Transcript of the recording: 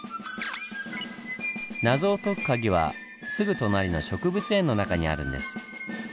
謎を解く鍵はすぐ隣の植物園の中にあるんです。